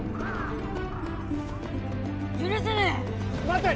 許せねえ！